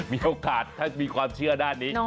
มีโอกาสถ้ามีความเชื่อด้านนี้